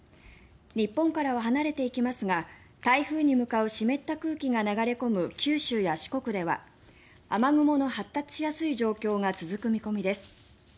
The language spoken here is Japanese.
日本からは離れていきますが台風に向かう湿った空気が流れ込む九州や四国では雨雲の発達しやすい状況が続く見込みです。